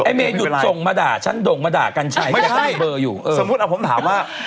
ไม่มีปัญญาและมันไม่มีเกาะว่้าง